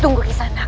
tunggu kisah anak